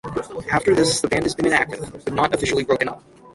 After this the band has been inactive, but not officially broken up.